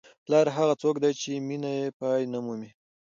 پلار هغه څوک دی چې مینه یې پای نه مومي.